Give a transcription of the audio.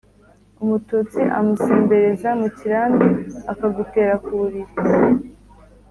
Umututsi umusembereza mu kirambi akagutera ku buriri.